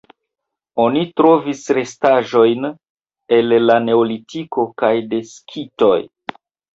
Oni trovis restaĵojn el la neolitiko kaj de skitoj.